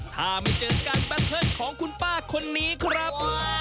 ถ้าไม่เจอการแบตเทิร์นของคุณป้าคนนี้ครับ